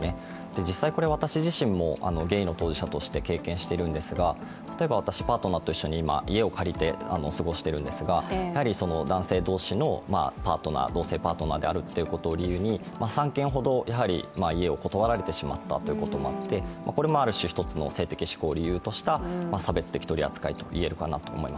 実際私自身もゲイの当事者として経験しているんですが、私は今パートナーと家を借りて過ごしているんですが男性同士の同性パートナーであることを理由に３件ほど、家を断られてしまったということもあって、これも性的指向を理由とした差別的取り扱いといえると思います。